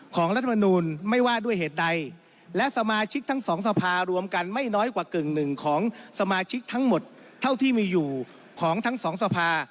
รัฐมนูลไม่ว่าด้วยเหตุใดและสมาชิกทั้งสองสภารวมกันไม่น้อยกว่ากึ่งหนึ่งของสมาชิกทั้งหมดเท่าที่มีอยู่ของทั้งสองสภา